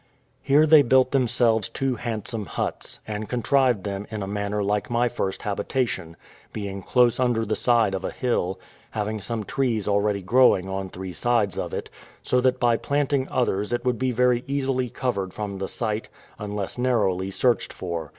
Here they built themselves two handsome huts, and contrived them in a manner like my first habitation, being close under the side of a hill, having some trees already growing on three sides of it, so that by planting others it would be very easily covered from the sight, unless narrowly searched for.